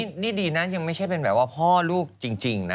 นี่ดีนะยังไม่ใช่เป็นแบบว่าพ่อลูกจริงนะ